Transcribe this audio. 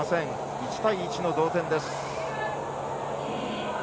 １対１の同点です。